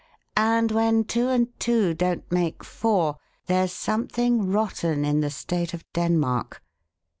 And when two and two don't make four, 'there's something rotten in the state of Denmark.'